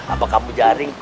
atau kamu jaring